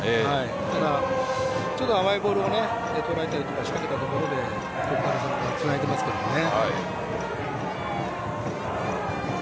ただ、甘いボールをとらえたり、仕掛けたところで花咲徳栄がつないでいますけどね。